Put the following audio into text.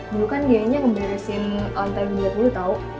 dulu kan dia yang ngeberesin lantai beliak dulu tau